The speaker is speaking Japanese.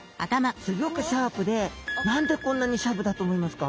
すギョくシャープで何でこんなにシャープだと思いますか？